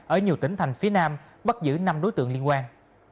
ở nhiều tỉnh thành phía nam bắt giữ năm đối tượng liên quan